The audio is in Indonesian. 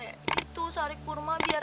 itu sari kurma biar